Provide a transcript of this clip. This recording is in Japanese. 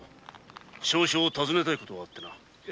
少々尋ねたいことがあってな。